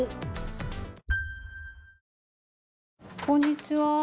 こんにちは。